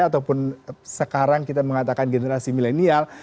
ataupun sekarang kita mengatakan generasi milenial